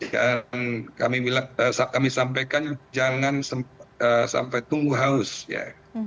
dan kami sampaikan jangan sampai tunggu haus ya